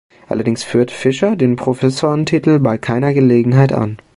Allerdings führt Fischer den Professorentitel bei keiner Gelegenheit an.